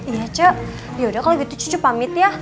iya cu yaudah kalo gitu cu pamit ya